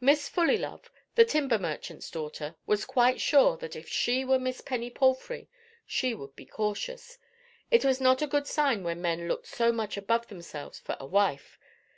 Miss Fullilove, the timber merchant's daughter, was quite sure that if she were Miss Penny Palfrey, she would be cautious; it was not a good sign when men looked so much above themselves for a wife.